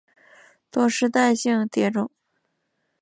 多世代性蝶种。